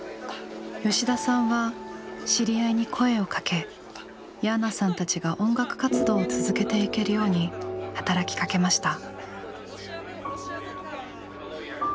吉田さんは知り合いに声をかけヤーナさんたちが音楽活動を続けていけるように働きかけました。